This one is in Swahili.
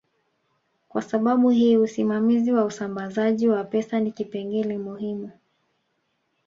Kwa sababu hii usimamizi wa usambazaji wa pesa ni kipengele muhimu